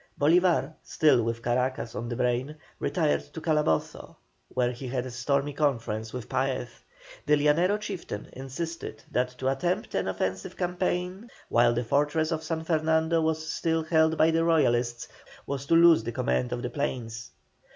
Bolívar, still with Caracas on the brain, retired to Calabozo, where he had a stormy conference with Paez. The Llanero chieftain insisted that to attempt an offensive campaign while the fortress of San Fernando was still held by the Royalists was to lose the command of the plains.